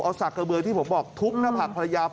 เอาสากกระเบือที่ผมบอกทุบหน้าผักภรรยา